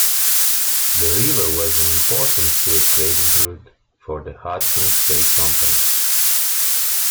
The river was an important fur trading route for the Hudson's Bay Company.